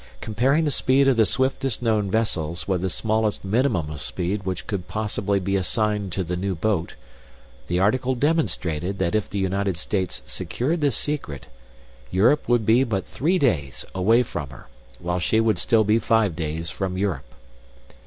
Comparing the speed of the swiftest known vessels with the smallest minimum of speed which could possibly be assigned to the new boat, the article demonstrated that if the United States secured this secret, Europe would be but three days away from her, while she would still be five days from Europe.